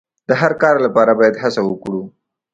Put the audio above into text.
د هر کار لپاره باید هڅه وکړو.